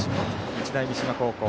日大三島高校。